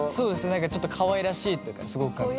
何かちょっとかわいらしいというかすごく感じて。